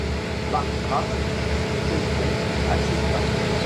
Bartram, stupéfait, accepta.